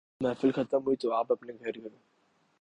محفل ختم ہوئی تو آپ اپنے گھر گئے۔